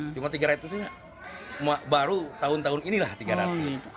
cuma tiga ratus baru tahun tahun inilah tiga ratus